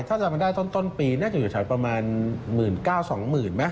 ใช่ถ้าจำเป็นได้ตอนปีน่าจะอยู่ทางประมาณ๑๙๐๐๐๒๐๐๐๐มั้ย